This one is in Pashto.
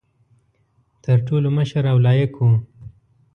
تر ټولو مشر او لایق وو.